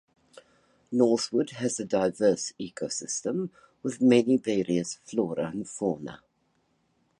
Northwood has a diverse ecosystem with many various flora and fauna.